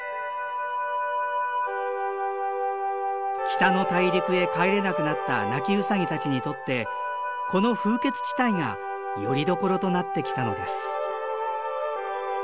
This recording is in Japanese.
北の大陸へ帰れなくなったナキウサギたちにとってこの風穴地帯がよりどころとなってきたのです。